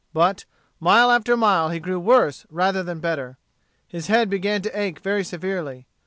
But, mile after mile, he grew worse rather than better. His head began to ache very severely.